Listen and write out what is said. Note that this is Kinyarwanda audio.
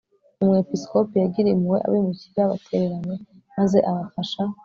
Umwepiskopi yagiriye impuhwe abimukira batereranywe maze abafasha